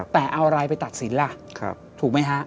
แต่เอาอะไรไปตัดสินล่ะถูกไหมฮะ